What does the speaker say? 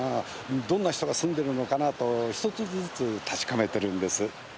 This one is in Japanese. どんな人が住んでるのかなあと一つずつ確かめてるんです。